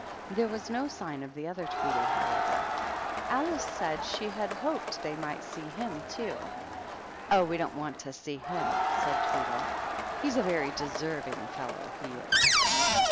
There was no sign of the other Tweedle, however. Alice said she had hoped they might see him, too. " Oh, we don't want to see him," said Tweedle. " He's a very deserving fellow, he is."